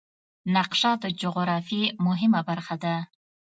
نقشه د جغرافیې مهمه برخه ده.